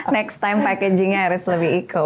next time packaging nya harus lebih eco